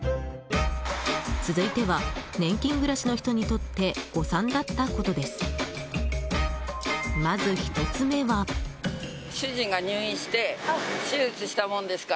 続いては年金暮らしの人にとって誤算だったことです。